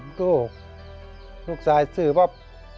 บ้านกับลูกลูกศาลซื้อครับ